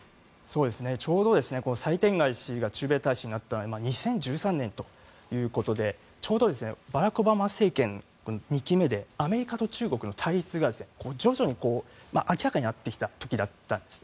ちょうどサイ・テンガイ氏が駐米大使になったのは２０１３年ということでちょうどバラク・オバマ政権２期目でアメリカと中国の対立が徐々に明らかになってきた時だったんです。